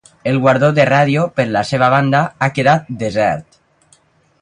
El guardó de Ràdio, per la seva banda, ha quedat desert.